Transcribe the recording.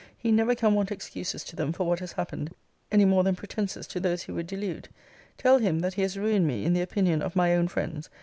He never can want excuses to them for what has happened, any more than pretences to those he would delude. Tell him, that he has ruined me in the opinion of my own friends.